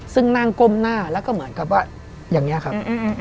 ซึ่งนั่งก้มหน้าแล้วก็เหมือนกับว่าอย่างนี้ครับ